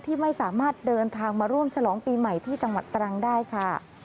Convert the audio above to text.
ที่ไม่สามารถเดินทางมาร่วมฉลองปีใหม่ที่จังหวัดตรังได้ค่ะ